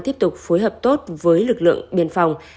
tiếp tục phối hợp tốt với lực lượng biên phòng